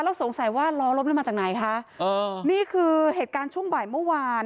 แล้วสงสัยว่าล้อล้มมาจากไหนคะนี่คือเหตุการณ์ช่วงบ่ายเมื่อวาน